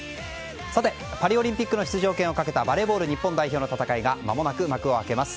さて、パリオリンピックの出場権をかけたバレーボール日本代表の戦いがまもなく幕を開けます。